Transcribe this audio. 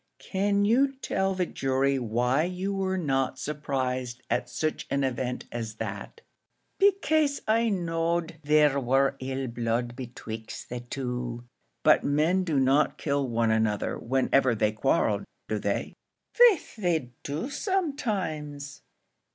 Can you tell the jury why you were not surprised at such an event as that?" "Becase I knowed there war ill blood betwixt the two." "But men do not kill one another whenever they quarrel, do they?" "Faix, they do sometimes."